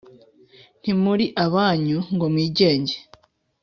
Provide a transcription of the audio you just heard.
ntimuri abanyu ngo mwigenge;